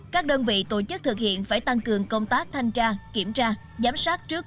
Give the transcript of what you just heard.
các đơn vị tổ chức thực hiện phải tăng cường công tác thanh tra kiểm tra giám sát trước